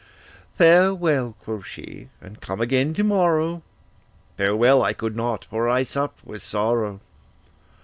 'Farewell,' quoth she, 'and come again tomorrow: Fare well I could not, for I supp'd with sorrow.